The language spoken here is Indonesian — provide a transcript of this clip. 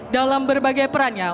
dalam berbagai perannya